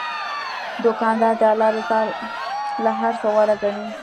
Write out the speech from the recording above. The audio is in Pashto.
دوکاندار د الله رضا له هر څه غوره ګڼي.